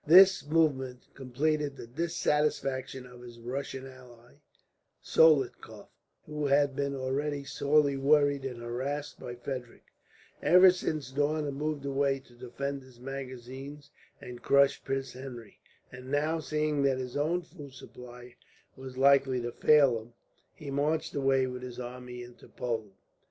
This movement completed the dissatisfaction of his Russian ally, Soltikoff, who had been already sorely worried and harassed by Frederick, ever since Daun had moved away to defend his magazines and crush Prince Henry; and now, seeing that his own food supply was likely to fail him, he marched away with his army into Poland.